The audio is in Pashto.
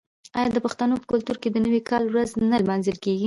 آیا د پښتنو په کلتور کې د نوي کال ورځ نه لمانځل کیږي؟